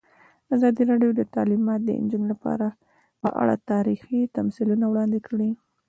ازادي راډیو د تعلیمات د نجونو لپاره په اړه تاریخي تمثیلونه وړاندې کړي.